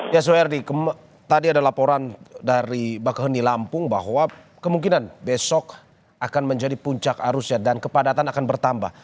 ya soehardi tadi ada laporan dari bakahuni lampung bahwa kemungkinan besok akan menjadi puncak arusnya dan kepadatan akan bertambah